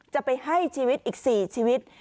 จะไปให้ชีวิตอีก๔ชีวิต